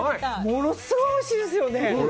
ものすごいおいしいですよね。